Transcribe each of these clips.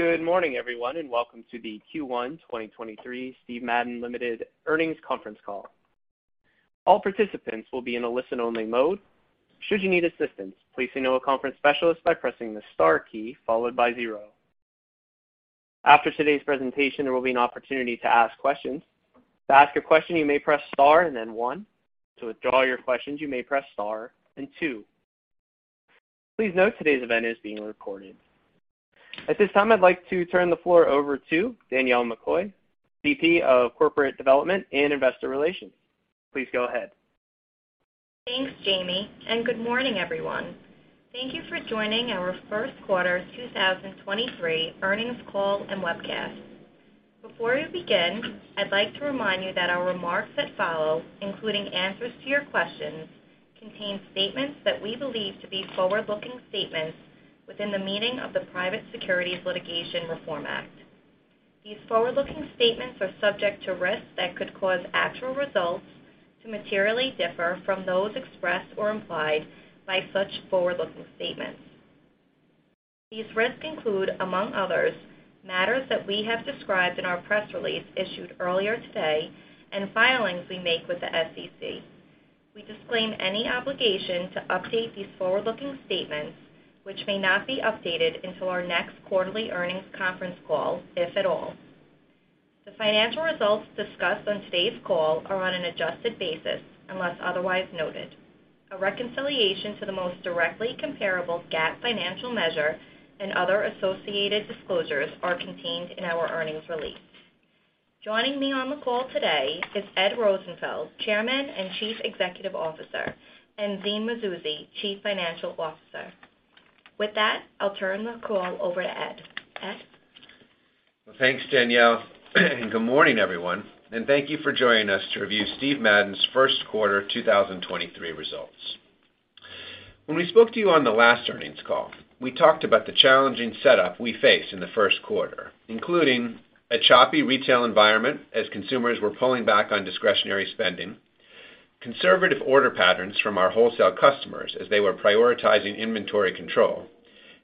Good morning, everyone, and welcome to the Q1 2023 Steven Madden, Ltd. Earnings Conference Call. All participants will be in a listen-only mode. Should you need assistance, please signal a conference specialist by pressing the star key followed by zero. After today's presentation, there will be an opportunity to ask questions. To ask your question, you may press star, and then one. To withdraw your questions, you may press star and two. Please note today's event is being recorded. At this time, I'd like to turn the floor over to Danielle McCoy, VP of Corporate Development and Investor Relations. Please go ahead. Thanks, Jamie. Good morning, everyone. Thank you for joining our first quarter 2023 earnings call and webcast. Before we begin, I'd like to remind you that our remarks that follow, including answers to your questions, contain statements that we believe to be forward-looking statements within the meaning of the Private Securities Litigation Reform Act. These forward-looking statements are subject to risks that could cause actual results to materially differ from those expressed or implied by such forward-looking statements. These risks include, among others, matters that we have described in our press release issued earlier today and filings we make with the S.E.C. We disclaim any obligation to update these forward-looking statements, which may not be updated until our next quarterly earnings conference call, if at all. The financial results discussed on today's call are on an adjusted basis, unless otherwise noted. A reconciliation to the most directly comparable GAAP financial measure and other associated disclosures are contained in our earnings release. Joining me on the call today is Ed Rosenfeld, Chairman and Chief Executive Officer, and Zine Mazouzi, Chief Financial Officer. With that, I'll turn the call over to Ed. Ed? Well, thanks, Danielle, good morning, everyone, thank you for joining us to review Steven Madden's first quarter 2023 results. When we spoke to you on the last earnings call, we talked about the challenging setup we faced in the first quarter, including a choppy retail environment as consumers were pulling back on discretionary spending, conservative order patterns from our wholesale customers as they were prioritizing inventory control,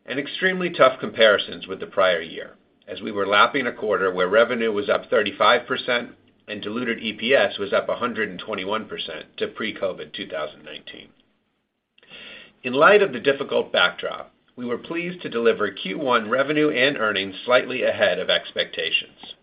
and extremely tough comparisons with the prior year as we were lapping a quarter where revenue was up 35% and diluted EPS was up 121% to pre-COVID 2019. In light of the difficult backdrop, we were pleased to deliver Q1 revenue and earnings slightly ahead of expectations.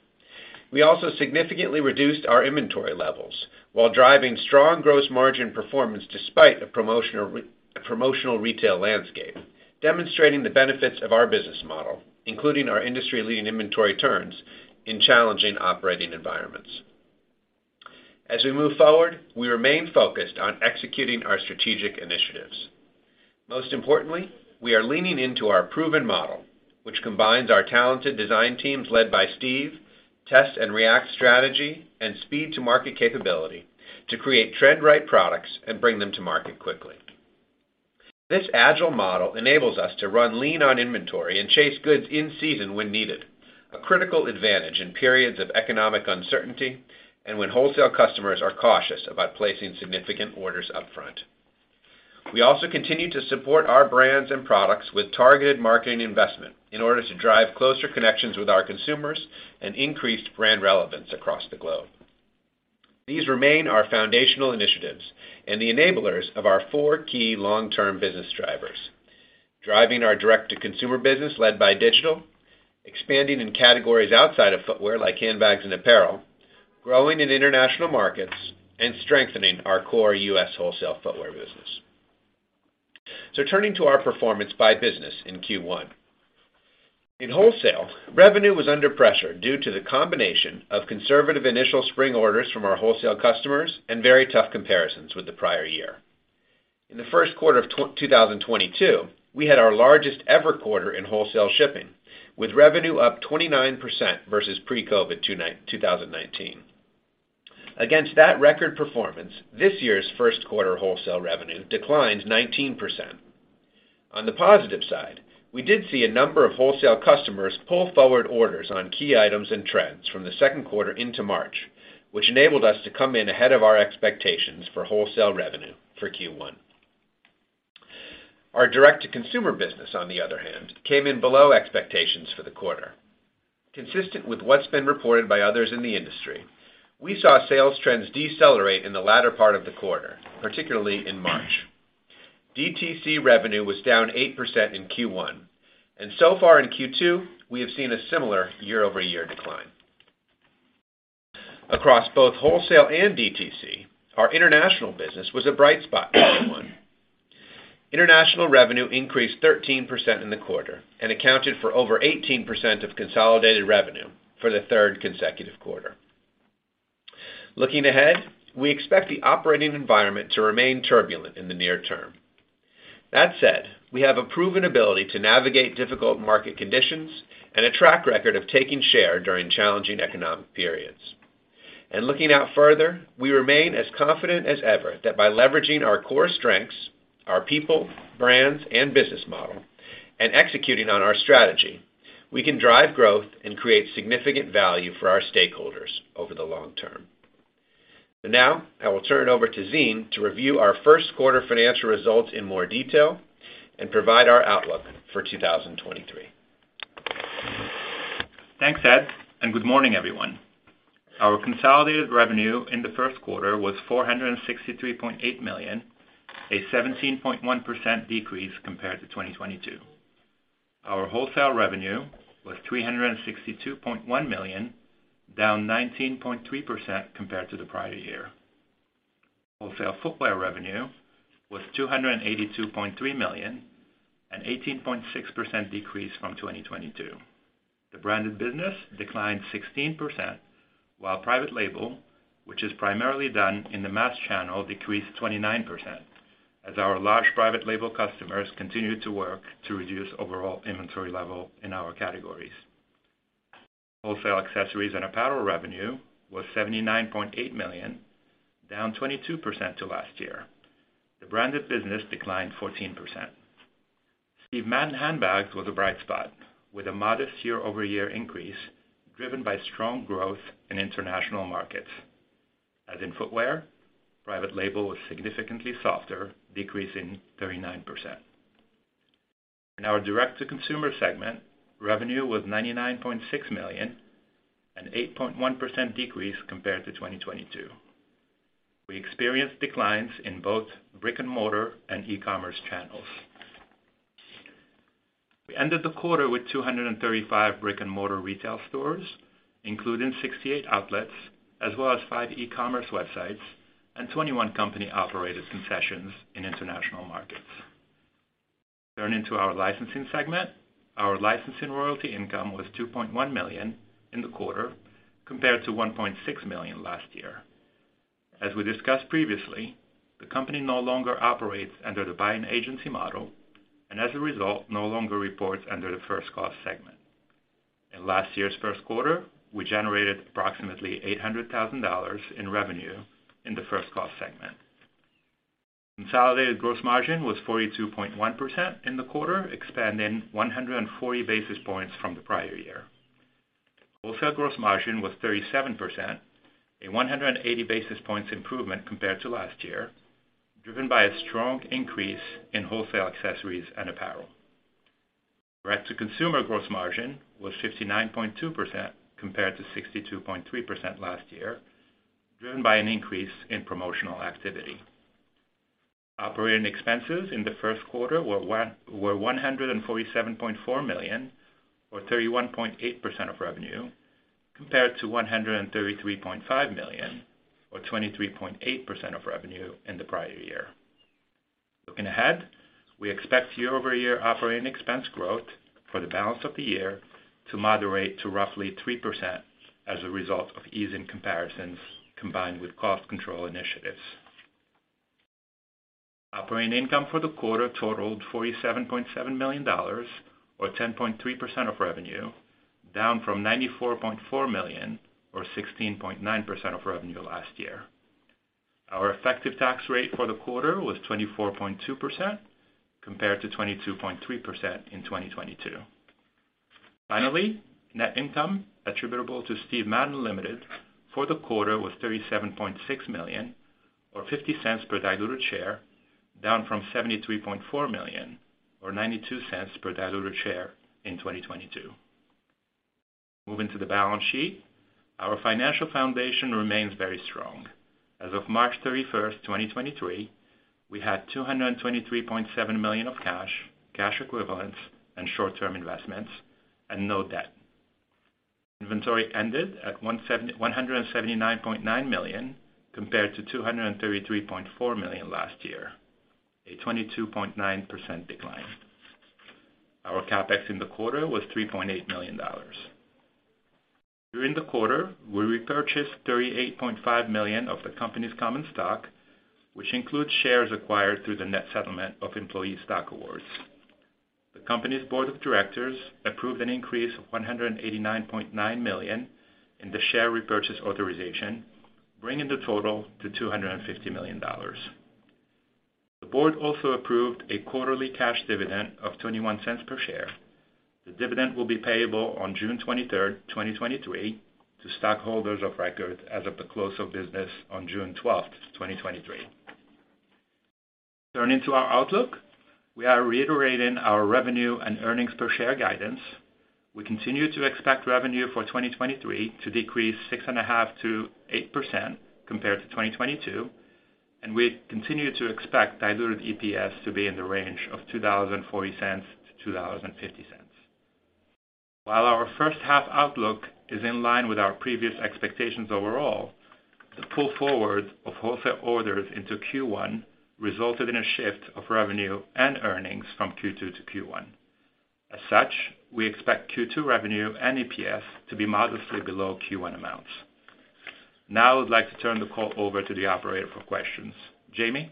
We also significantly reduced our inventory levels while driving strong gross margin performance despite a promotional retail landscape, demonstrating the benefits of our business model, including our industry-leading inventory turns in challenging operating environments. As we move forward, we remain focused on executing our strategic initiatives. Most importantly, we are leaning into our proven model, which combines our talented design teams led by Steve, test and react strategy, and speed to market capability to create trend right products and bring them to market quickly. This agile model enables us to run lean on inventory and chase goods in season when needed, a critical advantage in periods of economic uncertainty and when wholesale customers are cautious about placing significant orders upfront. We also continue to support our brands and products with targeted marketing investment in order to drive closer connections with our consumers and increased brand relevance across the globe. These remain our foundational initiatives and the enablers of our four key long-term business drivers: driving our direct-to-consumer business led by digital, expanding in categories outside of footwear, like handbags and apparel, growing in international markets, and strengthening our core U.S. wholesale footwear business. turning to our performance by business in Q1. In wholesale, revenue was under pressure due to the combination of conservative initial spring orders from our wholesale customers and very tough comparisons with the prior year. In the first quarter of 2022, we had our largest ever quarter in wholesale shipping, with revenue up 29% versus pre-COVID 2019. Against that record performance, this year's first quarter wholesale revenue declined 19%. On the positive side, we did see a number of wholesale customers pull forward orders on key items and trends from the second quarter into March, which enabled us to come in ahead of our expectations for wholesale revenue for Q1. Our direct-to-consumer business, on the other hand, came in below expectations for the quarter. Consistent with what's been reported by others in the industry, we saw sales trends decelerate in the latter part of the quarter, particularly in March. DTC revenue was down 8% in Q1, and so far in Q2, we have seen a similar year-over-year decline. Across both wholesale and DTC, our international business was a bright spot in Q1. International revenue increased 13% in the quarter and accounted for over 18% of consolidated revenue for the third consecutive quarter. Looking ahead, we expect the operating environment to remain turbulent in the near term. That said, we have a proven ability to navigate difficult market conditions and a track record of taking share during challenging economic periods. Looking out further, we remain as confident as ever that by leveraging our core strengths, our people, brands, and business model, and executing on our strategy, we can drive growth and create significant value for our stakeholders over the long term. Now I will turn it over to Zine Mazouzi to review our first quarter financial results in more detail and provide our outlook for 2023. Thanks, Ed, and good morning, everyone. Our consolidated revenue in the first quarter was $463.8 million, a 17.1% decrease compared to 2022. Our wholesale revenue was $362.1 million, down 19.3% compared to the prior year. Wholesale footwear revenue was $282.3 million, an 18.6% decrease from 2022. The branded business declined 16%, while private label, which is primarily done in the mass channel, decreased 29%, as our large private label customers continued to work to reduce overall inventory level in our categories. Wholesale accessories and apparel revenue was $79.8 million, down 22% to last year. The branded business declined 14%. Steven Madden handbags was a bright spot with a modest year-over-year increase driven by strong growth in international markets. As in footwear, private label was significantly softer, decreasing 39%. In our direct-to-consumer segment, revenue was $99.6 million, an 8.1% decrease compared to 2022. We experienced declines in both brick-and-mortar and e-commerce channels. We ended the quarter with 235 brick-and-mortar retail stores, including 68 outlets as well as five e-commerce websites and 21 company-operated concessions in international markets. Turning to our licensing segment. Our licensing royalty income was $2.1 million in the quarter compared to $1.6 million last year. As we discussed previously, the company no longer operates under the buying agency model, and as a result, no longer reports under the first cost segment. In last year's first quarter, we generated approximately $800,000 in revenue in the first cost segment. Consolidated gross margin was 42.1% in the quarter, expanding 140 basis points from the prior year. Wholesale gross margin was 37%, a 180 basis points improvement compared to last year, driven by a strong increase in wholesale accessories and apparel. Direct-to-consumer gross margin was 59.2% compared to 62.3% last year, driven by an increase in promotional activity. Operating expenses in the first quarter were $147.4 million or 31.8% of revenue, compared to $133.5 million or 23.8% of revenue in the prior year. Looking ahead, we expect year-over-year operating expense growth for the balance of the year to moderate to roughly 3% as a result of easing comparisons combined with cost control initiatives. Operating income for the quarter totaled $47.7 million, or 10.3% of revenue, down from $94.4 million or 16.9% of revenue last year. Our effective tax rate for the quarter was 24.2% compared to 22.3% in 2022. Finally, net income attributable to Steven Madden, Ltd. for the quarter was $37.6 million or $0.50 per diluted share, down from $73.4 million or $0.92 per diluted share in 2022. Moving to the balance sheet. Our financial foundation remains very strong. As of March 31, 2023, we had $223.7 million of cash equivalents and short-term investments and no debt. Inventory ended at $179.9 million compared to $233.4 million last year, a 22.9% decline. Our CapEx in the quarter was $3.8 million. During the quarter, we repurchased $38.5 million of the company's common stock, which includes shares acquired through the net settlement of employee stock awards. The company's board of directors approved an increase of $189.9 million in the share repurchase authorization, bringing the total to $250 million. The board also approved a quarterly cash dividend of $0.21 per share. The dividend will be payable on June 23, 2023 to stockholders of record as of the close of business on June 12, 2023. Turning to our outlook. We are reiterating our revenue and earnings per share guidance. We continue to expect revenue for 2023 to decrease 6.5%-8% compared to 2022, we continue to expect diluted EPS to be in the range of $2.40-$2.50. While our first half outlook is in line with our previous expectations overall, the pull forward of wholesale orders into Q1 resulted in a shift of revenue and earnings from Q2 to Q1. As such, we expect Q2 revenue and EPS to be modestly below Q1 amounts. I would like to turn the call over to the operator for questions. Jamie?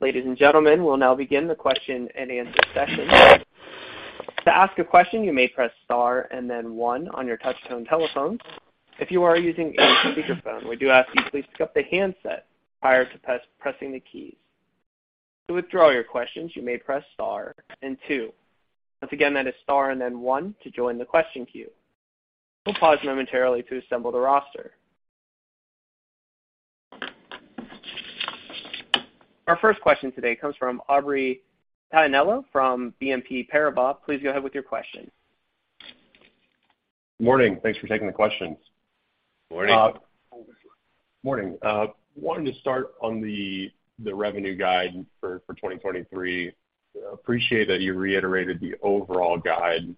Ladies and gentlemen, we'll now begin the question-and-answer session. To ask a question, you may press star and then one on your touchtone telephone. If you are using a speakerphone, we do ask you please pick up the handset prior to pressing the keys. To withdraw your questions, you may press star and two. Once again, that is star and then one to join the question queue. We'll pause momentarily to assemble the roster. Our first question today comes from Aubrey Tianello from BNP Paribas. Please go ahead with your question. Morning. Thanks for taking the questions. Morning. Morning. Wanted to start on the revenue guide for 2023. Appreciate that you reiterated the overall guide.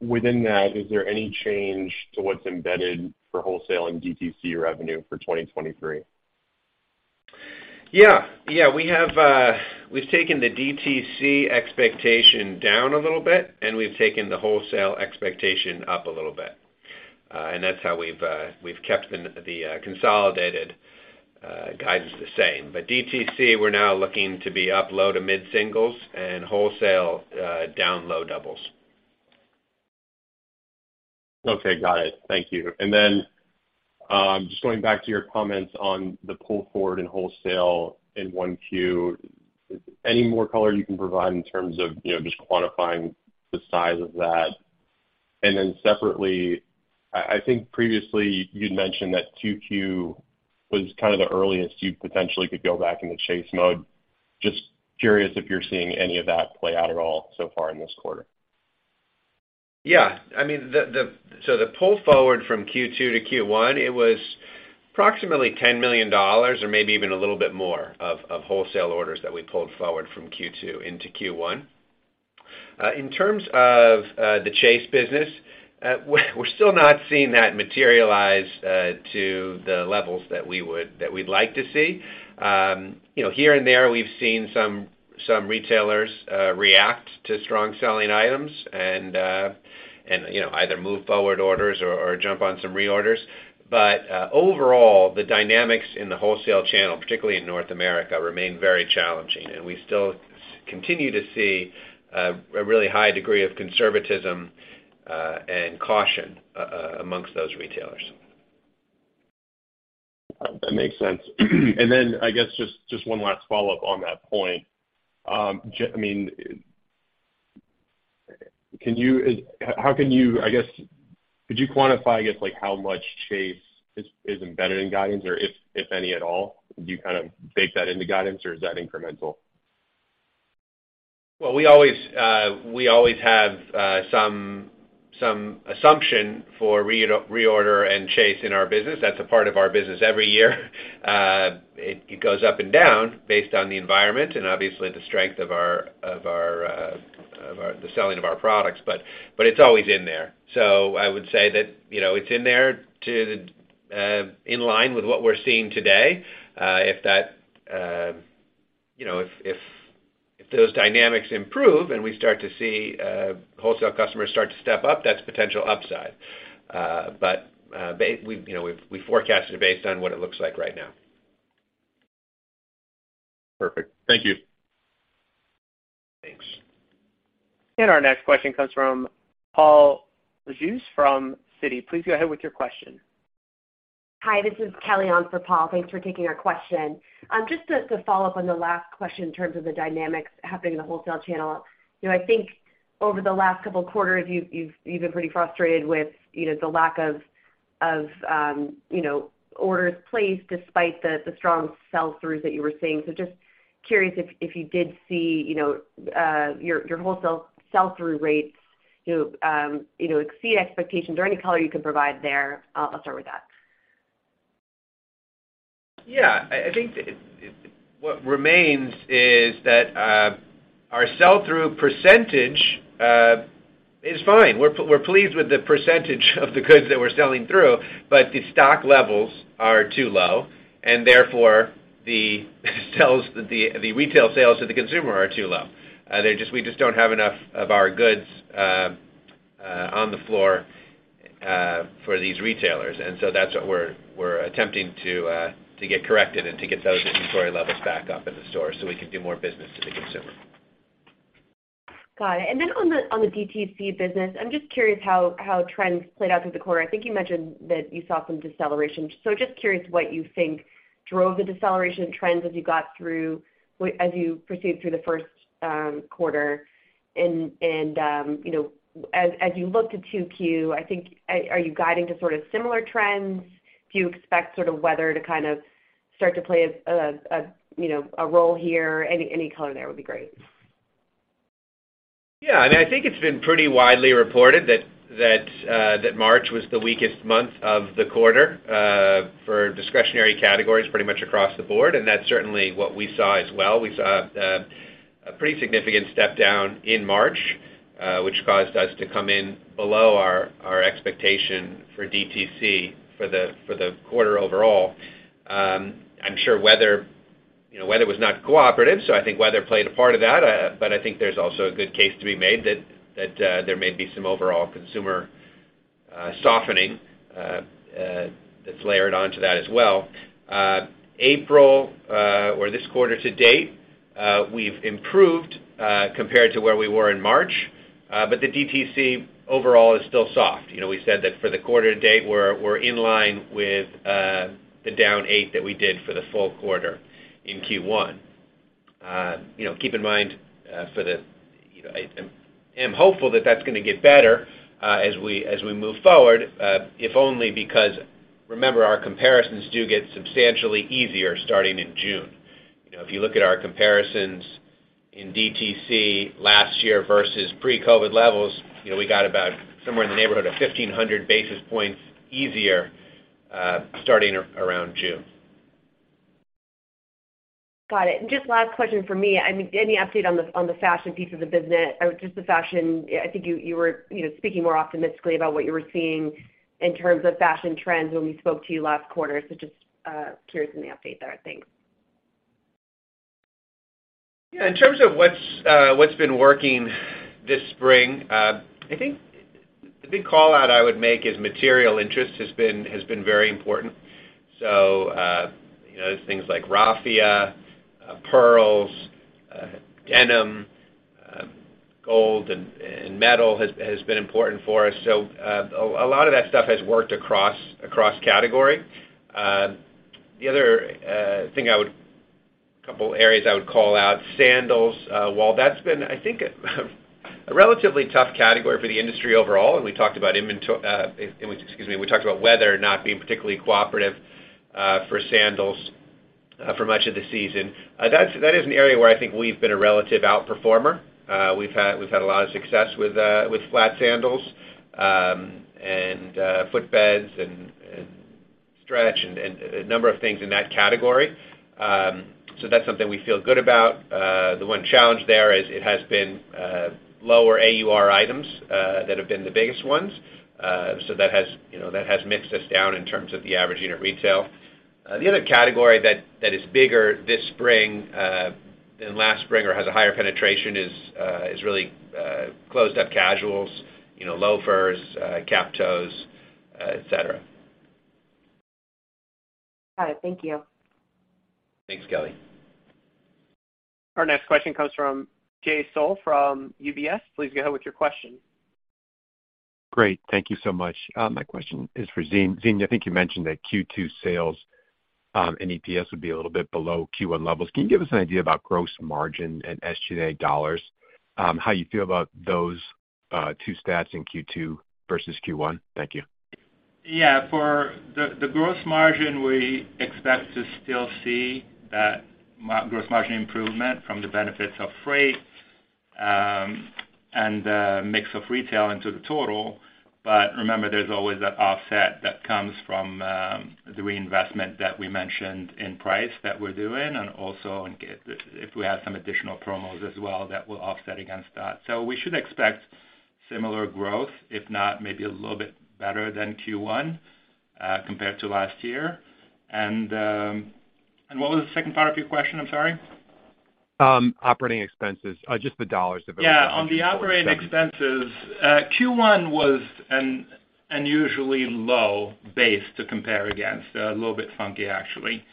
Within that, is there any change to what's embedded for wholesale and DTC revenue for 2023? Yeah, we've taken the DTC expectation down a little bit, and we've taken the wholesale expectation up a little bit. That's how we've kept the consolidated guidance the same. DTC, we're now looking to be up low to mid-singles and wholesale down low doubles. Okay. Got it. Thank you. Just going back to your comments on the pull forward and wholesale in 1Q, any more color you can provide in terms of, you know, just quantifying the size of that? Separately, I think previously you'd mentioned that 2Q was kind of the earliest you potentially could go back into chase mode. Just curious if you're seeing any of that play out at all so far in this quarter. Yeah. I mean, the pull forward from Q2 to Q1, it was approximately $10 million or maybe even a little bit more of wholesale orders that we pulled forward from Q2 into Q1. In terms of the chase business, We're still not seeing that materialize to the levels that we'd like to see. You know, here and there, we've seen some retailers react to strong selling items and, you know, either move forward orders or jump on some reorders. Overall, the dynamics in the wholesale channel, particularly in North America, remain very challenging, and we still continue to see a really high degree of conservatism and caution amongst those retailers. That makes sense. I guess just one last follow-up on that point. I guess, could you quantify, I guess, like, how much chase is embedded in guidance or if any at all? Do you kind of bake that into guidance, or is that incremental? We always have some assumption for reorder and chase in our business. That's a part of our business every year. It goes up and down based on the environment and obviously the strength of our, the selling of our products, but it's always in there. I would say that, you know, it's in there to in line with what we're seeing today. If that, you know, if those dynamics improve and we start to see wholesale customers start to step up, that's potential upside. We, you know, we forecasted based on what it looks like right now. Perfect. Thank you. Thanks. Our next question comes from Paul Lejuez from Citi. Please go ahead with your question. Hi, this is Kelly on for Paul. Thanks for taking our question. Just to follow up on the last question in terms of the dynamics happening in the wholesale channel. You know, I think over the last couple quarters, you've been pretty frustrated with, you know, the lack of, you know, orders placed despite the strong sell-throughs that you were seeing. Just curious if you did see, you know, your wholesale sell-through rates, you know, exceed expectations or any color you can provide there. I'll start with that. Yeah. I think what remains is that our sell-through percentage is fine. We're pleased with the percentage of the goods that we're selling through. The stock levels are too low, and therefore the sales, the retail sales to the consumer are too low. We just don't have enough of our goods on the floor for these retailers. That's what we're attempting to get corrected and to get those inventory levels back up in the store so we can do more business to the consumer. Got it. On the DTC business, I'm just curious how trends played out through the quarter. I think you mentioned that you saw some deceleration. Just curious what you think drove the deceleration trends as you proceeded through the first quarter. You know, as you look to 2Q, I think are you guiding to sort of similar trends? Do you expect sort of weather to kind of start to play a, you know, a role here? Any color there would be great. Yeah. I mean, I think it's been pretty widely reported that March was the weakest month of the quarter for discretionary categories pretty much across the board, and that's certainly what we saw as well. We saw a pretty significant step down in March, which caused us to come in below our expectation for DTC for the quarter overall. I'm sure weather, you know, weather was not cooperative, so I think weather played a part of that. I think there's also a good case to be made that there may be some overall consumer softening that's layered onto that as well. April, or this quarter to date, we've improved compared to where we were in March. The DTC overall is still soft. You know, we said that for the quarter to date, we're in line with the down 8% that we did for the full quarter in Q1. You know, keep in mind, You know, I am hopeful that that's gonna get better as we move forward, if only because remember our comparisons do get substantially easier starting in June. You know, if you look at our comparisons in DTC last year versus pre-COVID levels, you know, we got about somewhere in the neighborhood of 1,500 basis points easier starting around June. Got it. Just last question from me. I mean, any update on the fashion piece of the business or just the fashion? I think you were, you know, speaking more optimistically about what you were seeing in terms of fashion trends when we spoke to you last quarter. Just curious on the update there. Thanks. Yeah. In terms of what's been working this spring, I think the big call-out I would make is material interest has been very important. You know, there's things like raffia, pearls, denim, gold and metal has been important for us. A lot of that stuff has worked across category. The other couple areas I would call out, sandals. While that's been, I think, a relatively tough category for the industry overall, and we talked about weather not being particularly cooperative for sandals for much of the season. That is an area where I think we've been a relative outperformer. We've had a lot of success with flat sandals, and footbeds and stretch and a number of things in that category. That's something we feel good about. The one challenge there is it has been lower AUR items that have been the biggest ones. That has, you know, that has mixed us down in terms of the average unit retail. The other category that is bigger this spring than last spring or has a higher penetration is really closed up casuals, you know, loafers, cap toes, et cetera. Got it. Thank you. Thanks, Kelly. Our next question comes from Jay Sole from UBS. Please go ahead with your question. Great. Thank you so much. My question is for Zim. Zim, I think you mentioned that Q2 sales, and EPS would be a little bit below Q1 levels. Can you give us an idea about gross margin and SG&A dollars, how you feel about those two stats in Q2 versus Q1? Thank you. For the gross margin, we expect to still see that gross margin improvement from the benefits of freight, and the mix of retail into the total. Remember, there's always that offset that comes from the reinvestment that we mentioned in price that we're doing and also if we have some additional promos as well that will offset against that. We should expect similar growth, if not maybe a little bit better than Q1, compared to last year. What was the second part of your question? I'm sorry. Operating expenses. Just the dollars available. Yeah. On the operating expenses, Q1 was an unusually low base to compare against, a little bit funky, actually.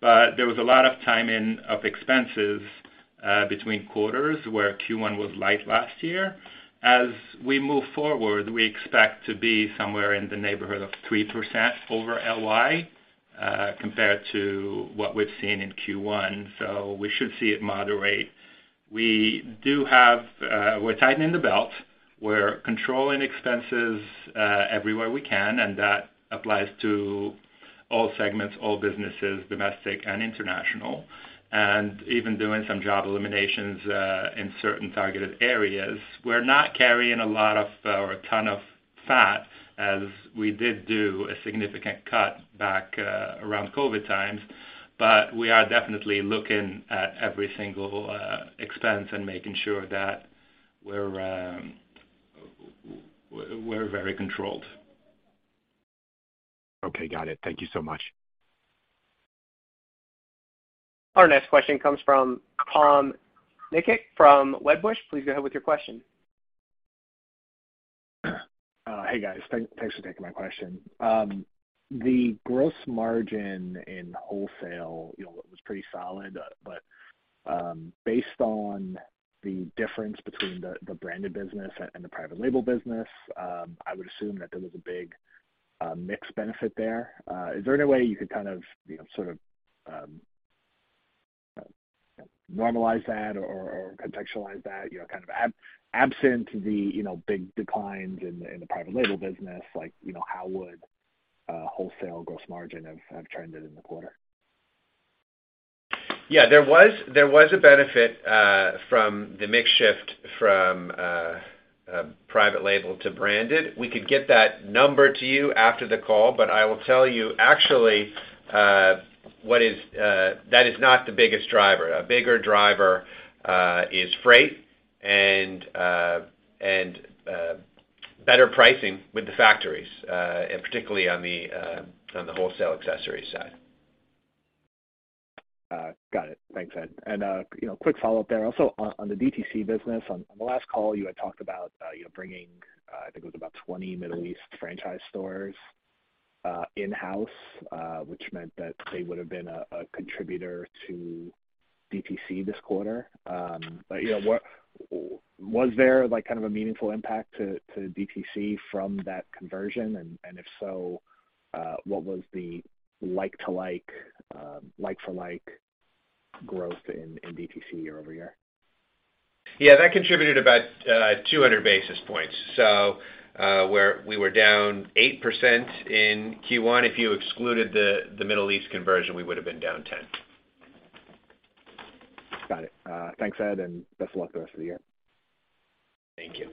There was a lot of time in of expenses between quarters where Q1 was light last year. As we move forward, we expect to be somewhere in the neighborhood of 3% over LY compared to what we've seen in Q1. We should see it moderate. We're tightening the belt. We're controlling expenses everywhere we can, and that applies to all segments, all businesses, domestic and international. Even doing some job eliminations in certain targeted areas. We're not carrying a lot of or a ton of fat as we did do a significant cut back around COVID times. We are definitely looking at every single expense and making sure that we're very controlled. Okay. Got it. Thank you so much. Our next question comes from Tom Nikic from Wedbush. Please go ahead with your question. Hey, guys. Thanks for taking my question. The gross margin in wholesale, you know, was pretty solid. Based on the difference between the branded business and the private label business, I would assume that there was a big mix benefit there. Is there any way you could kind of, you know, sort of normalize that or contextualize that, you know, kind of absent the big declines in the private label business, like, you know, how would wholesale gross margin have trended in the quarter? Yeah. There was a benefit from the mix shift from private label to branded. We could get that number to you after the call. I will tell you actually, that is not the biggest driver. A bigger driver is freight and better pricing with the factories, and particularly on the wholesale accessories side. Got it. Thanks, Ed. You know, quick follow-up there. Also on the DTC business. On the last call you had talked about, you know, bringing, I think it was about 20 Middle East franchise stores in-house, which meant that they would have been a contributor to DTC this quarter. You know, was there, like, kind of a meaningful impact to DTC from that conversion? If so, what was the like to like for like growth in DTC year-over-year? Yeah, that contributed about, 200 basis points. Where we were down 8% in Q1, if you excluded the Middle East conversion, we would have been down 10. Got it. thanks, Ed, and best of luck the rest of the year. Thank you.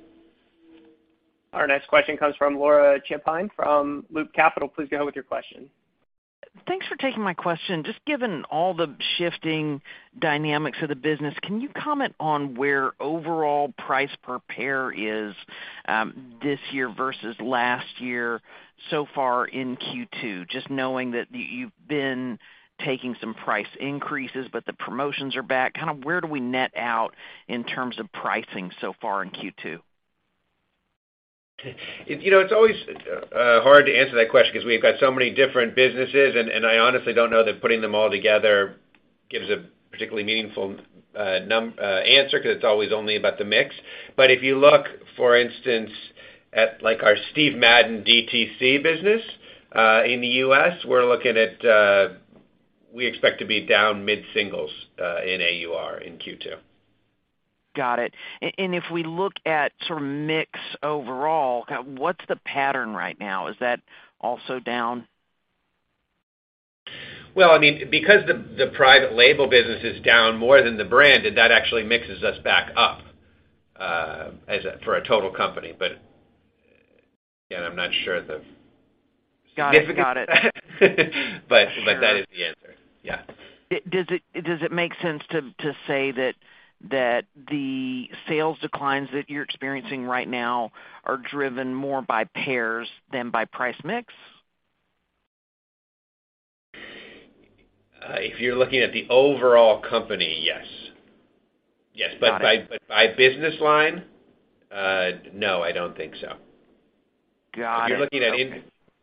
Our next question comes from Laura Champine from Loop Capital. Please go ahead with your question. Thanks for taking my question. Just given all the shifting dynamics of the business, can you comment on where overall price per pair is this year versus last year so far in Q2? Just knowing that you've been taking some price increases, but the promotions are back. Kind of where do we net out in terms of pricing so far in Q2? You know, it's always hard to answer that question 'cause we've got so many different businesses, and I honestly don't know that putting them all together gives a particularly meaningful answer, 'cause it's always only about the mix. If you look, for instance, at like our Steven Madden DTC business, in the U.S., we're looking at, we expect to be down mid-singles, in AUR in Q2. Got it. If we look at sort of mix overall, kind of what's the pattern right now? Is that also down? Well, I mean, because the private label business is down more than the branded, that actually mixes us back up, for a total company. Again, I'm not sure the significance. Got it. Got it. Sure. That is the answer. Yeah. Does it make sense to say that the sales declines that you're experiencing right now are driven more by pairs than by price mix? If you're looking at the overall company, yes. Yes. Got it. By business line, no, I don't think so. Got it. Okay. If you're looking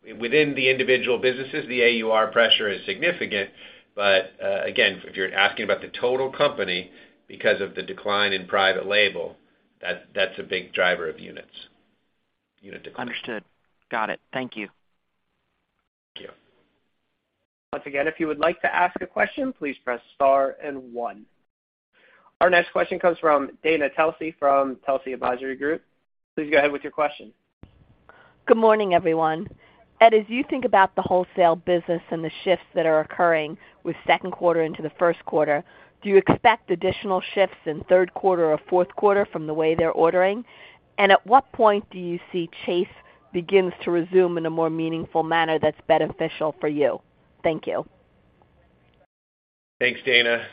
at within the individual businesses, the AUR pressure is significant. Again, if you're asking about the total company because of the decline in private label, that's a big driver of units, unit declines. Understood. Got it. Thank you. Thank you. Once again, if you would like to ask a question, please press star and one. Our next question comes from Dana Telsey from Telsey Advisory Group. Please go ahead with your question. Good morning, everyone. Ed, as you think about the wholesale business and the shifts that are occurring with second quarter into the first quarter, do you expect additional shifts in third quarter or fourth quarter from the way they're ordering? At what point do you see Chase begins to resume in a more meaningful manner that's beneficial for you? Thank you. Thanks, Dana.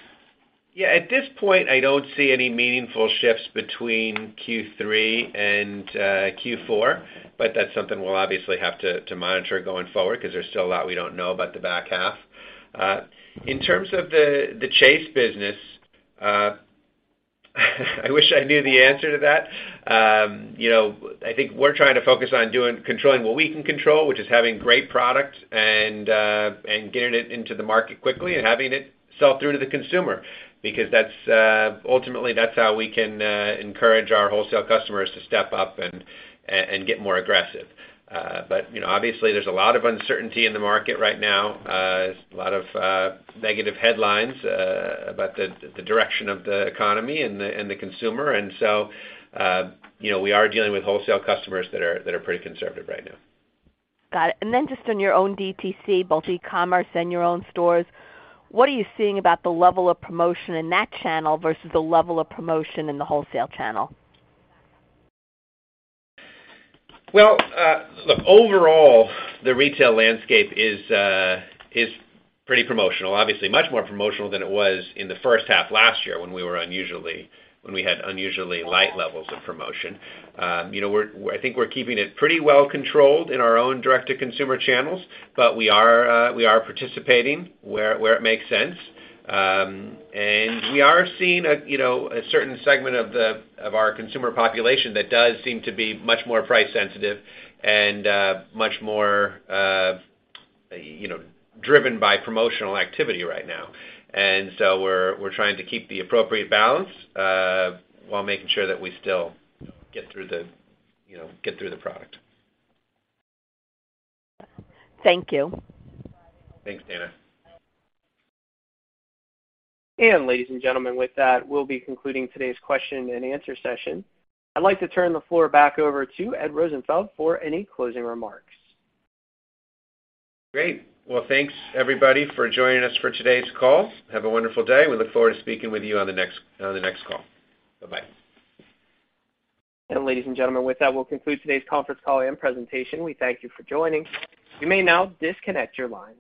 Yeah, at this point, I don't see any meaningful shifts between Q3 and Q4, but that's something we'll obviously have to monitor going forward because there's still a lot we don't know about the back half. In terms of the Chase business, I wish I knew the answer to that. You know, I think we're trying to focus on controlling what we can control, which is having great products and getting it into the market quickly and having it sell through to the consumer because that's ultimately that's how we can encourage our wholesale customers to step up and get more aggressive. You know, obviously there's a lot of uncertainty in the market right now, a lot of negative headlines about the direction of the economy and the consumer. You know, we are dealing with wholesale customers that are pretty conservative right now. Got it. Just on your own DTC, both e-commerce and your own stores, what are you seeing about the level of promotion in that channel versus the level of promotion in the wholesale channel? Look, overall, the retail landscape is pretty promotional. Obviously, much more promotional than it was in the first half last year when we had unusually light levels of promotion. You know, I think we're keeping it pretty well controlled in our own DTC channels, but we are, we are participating where it makes sense. We are seeing a, you know, a certain segment of the, of our consumer population that does seem to be much more price sensitive and, much more, you know, driven by promotional activity right now. We're, we're trying to keep the appropriate balance, while making sure that we still get through the, you know, get through the product. Thank you. Thanks, Dana. Ladies and gentlemen, with that, we'll be concluding today's question and answer session. I'd like to turn the floor back over to Ed Rosenfeld for any closing remarks. Great. Well, thanks, everybody, for joining us for today's call. Have a wonderful day. We look forward to speaking with you on the next call. Bye-bye. Ladies and gentlemen, with that, we'll conclude today's conference call and presentation. We thank you for joining. You may now disconnect your lines.